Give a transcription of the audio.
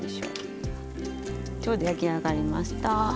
ちょうど焼き上がりました。